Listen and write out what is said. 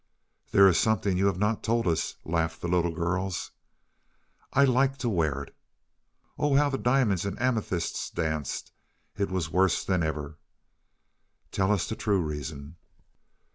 "There is something you have not told us," laughed the little girls. "I like to wear it." Oh, how the diamonds and amethysts danced! It was worse than ever. "Tell us the true reason."